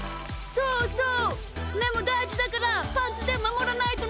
そうそう！